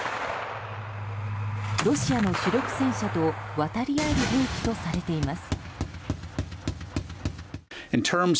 ロシアの主力戦車と渡り合える兵器とされています。